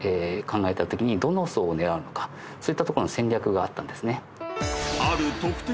そういったとこの戦略があったんですね。